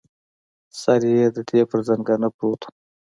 سر یې د دې پر زنګانه پروت و.